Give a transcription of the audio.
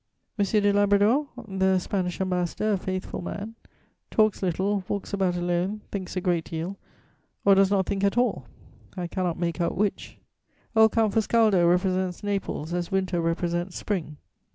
M. de Labrador, the Spanish Ambassador, a faithful man, talks little, walks about alone, thinks a great deal, or does not think at all, I cannot make out which. Old Count Fuscaldo represents Naples as winter represents spring.